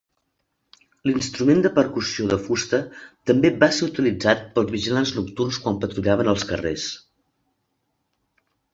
L'instrument de percussió de fusta també va ser utilitzat pels vigilants nocturns quan patrullaven els carrers.